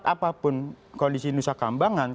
seketat apapun kondisi nusakambangan